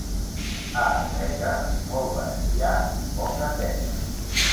A Arbeca, molt bestiar i poca teca.